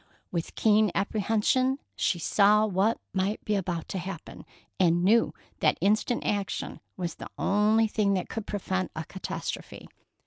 With keen apprehension, she saw what might be about to happen, and knew that instant action was the only thing that could prevent a catastrophe.